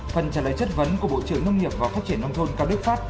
phần trả lời chất vấn của bộ trưởng nông nghiệp và phát triển nông thôn cao đức pháp